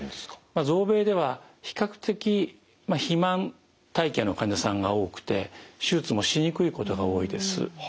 まず欧米では比較的肥満体型の患者さんが多くて手術もしにくいことが多いです。